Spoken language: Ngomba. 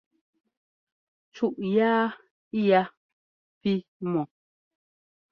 Cúʼ yáa ya pí mɔ́.